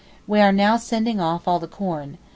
We are now sending off all the corn.